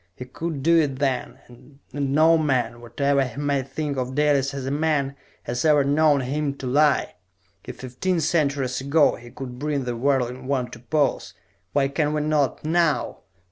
He could do it then and no man, whatever he may think of Dalis as a man, has ever known him to lie! If, fifteen centuries ago, he could bring the whirling world to pause, why can we not, now...."